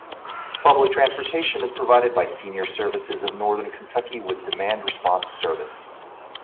Public transportation is provided by Senior Services of Northern Kentucky with demand-response service.